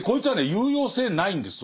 有用性ないんですよ